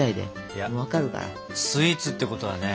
いやスイーツってことはね